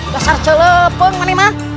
dasar celepeng mak